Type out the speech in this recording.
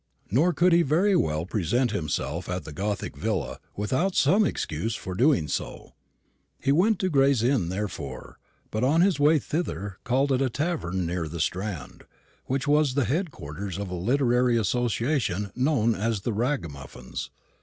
Nor could he very well present himself at the gothic villa without some excuse for so doing. He went to Gray's Inn therefore; but on his way thither called at a tavern near the Strand, which was the head quarters of a literary association known as the Ragamuffins.